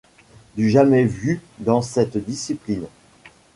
Du jamais vu dans cette discipline.